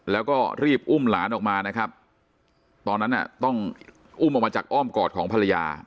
แล้วก็รีบอุ้มหลานออกมานะครับตอนนั้นต้องอุ้มออกมาจากอ้อมกอดของภรรยา